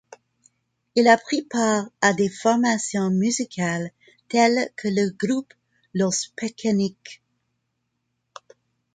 Il a pris part à des formations musicales telles que le groupe Los Pekenikes.